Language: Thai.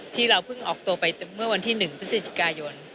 ที่เราเพิ่งออกตัวไปเมื่อวันที่๑พฤศจิกายน